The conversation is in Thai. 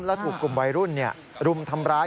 แล้วถูกกลุ่มวัยรุ่นรุมทำร้าย